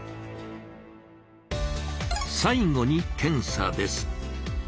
最後に「検査」です。